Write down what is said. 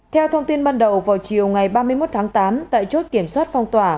theo thông tin ban đầu vào chiều ngày ba mươi một tháng tám tại chốt kiểm soát phong tỏa